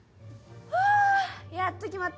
ふぅやっと決まった！